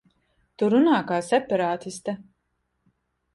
Tu runā kā separātiste.